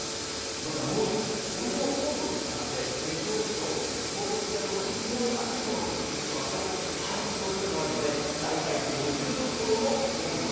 また、もう１つお湯の温度ですが熱湯ですと、凍結したところにいきなり熱いものをかけると破裂する恐れがあるので大体５０度ほどの温度が